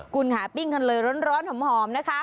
คุณค่ะปิ้งกันเลยร้อนหอมนะคะ